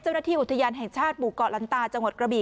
เจ้าหน้าที่อุทยานแห่งชาติบุกรรณตาจังหวัดกระบี่